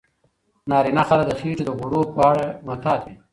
ناروینه خلک د خېټې د غوړو په اړه محتاط وي.